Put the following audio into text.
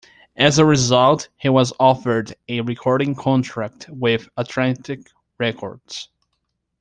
As a result, he was offered a recording contract with Atlantic Records.